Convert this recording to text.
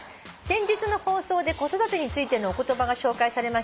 「先日の放送で子育てについてのお言葉が紹介されました」